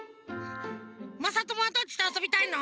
まさともはどっちとあそびたいの？